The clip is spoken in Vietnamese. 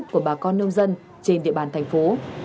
của bà con nông dân trên địa bàn thành phố